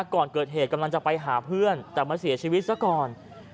ก่อนเกิดเหตุกำลังจะไปหาเพื่อนแต่มาเสียชีวิตซะก่อน